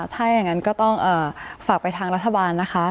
ถ้าอย่างนั้นก็ต้องฝากไปทางรัฐบาลนะคะ